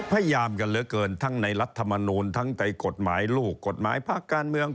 พยายามกันเหลือเกินทั้งในรัฐมนูลทั้งในกฎหมายลูกกฎหมายภาคการเมือง